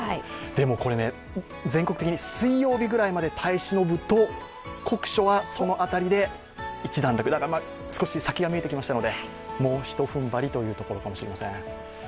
でも、これ全国的に水曜日ぐらいまで耐えしのぐと、酷暑はその辺りで一段落、だから少し先が見えてきましたので、もうひと踏ん張りというところかもしれません。